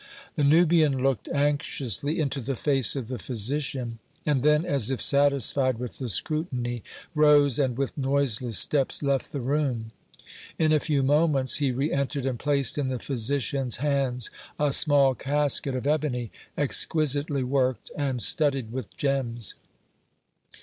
The Nubian looked anxiously into the face of the physician, and then, as if satisfied with the scrutiny, rose, and, with noiseless steps, left the room. In a few moments he re entered and placed in the physician's hands a small casket of ebony, exquisitely worked and studded with gems.